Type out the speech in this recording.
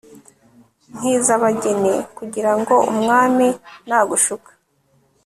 nk'iz'abageni kugira ngo umwami nagushaka